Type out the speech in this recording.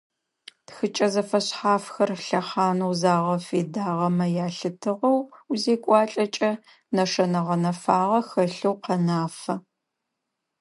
Тхыкӏэ зэфэшъхьафхэр лъэхъанэу загъэфедагъэмэ ялъытыгъэу узекӏуалӏэкӏэ, нэшэнэ гъэнэфагъэ хэлъэу къэнафэ.